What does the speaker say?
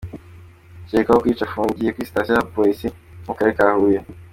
Ukekwaho kwica afungiye kuri sitasiyo ya Polisi yo mu karere ka Huye.